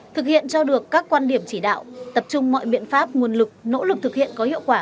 thực hiện cho được các quan điểm chỉ đạo tập trung mọi biện pháp nguồn lực nỗ lực thực hiện có hiệu quả